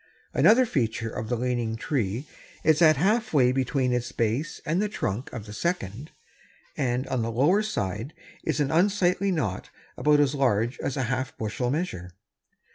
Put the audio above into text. Another feature of the leaning tree is that half way between its base and the trunk of the second, and on the lower side is an unsightly knot about as large as a half bushel measure.